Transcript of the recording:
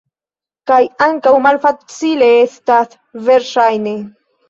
Kaj ankaŭ malfacile estas, verŝajne.